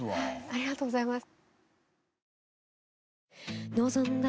ありがとうございます。